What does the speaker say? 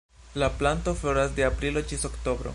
La planto floras de aprilo ĝis oktobro.